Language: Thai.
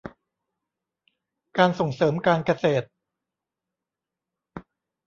การส่งเสริมการเกษตร